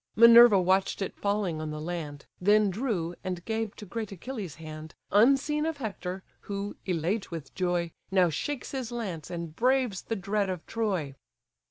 Minerva watch'd it falling on the land, Then drew, and gave to great Achilles' hand, Unseen of Hector, who, elate with joy, Now shakes his lance, and braves the dread of Troy.